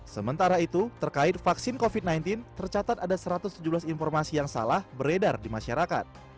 sementara itu terkait vaksin covid sembilan belas tercatat ada satu ratus tujuh belas informasi yang salah beredar di masyarakat